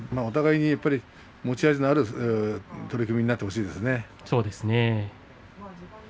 持ち味のある取組になってほしいですね。